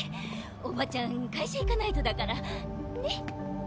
おばちゃん会社行かないとだからね！